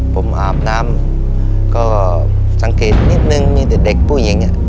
ผมอาบน้ำก็สังเกตนิดนึงมีแต่เด็กผู้หญิง